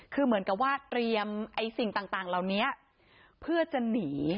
คือเหมือนกับว่าเตรียมสิ่งต่างเหล่านี้เพื่อจะหนี